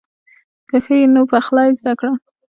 که ښه یې نو پخلی زده کړه.